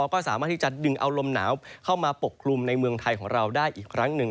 ก็สามารถที่จะดึงเอาลมหนาวเข้ามาปกคลุมในเมืองไทยของเราได้อีกครั้งหนึ่ง